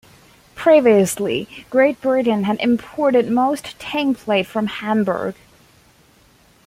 Previously Great Britain had imported most tinplate from Hamburg.